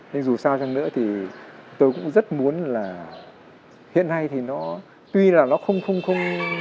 nhưng dù sao chăng nữa thì tôi cũng rất muốn là hiện nay thì nó tuy là nó không không không